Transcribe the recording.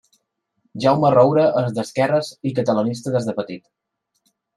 Jaume Roures és d'esquerres i catalanista des de petit.